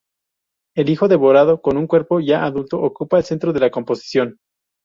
El hijo devorado, con un cuerpo ya adulto, ocupa el centro de la composición.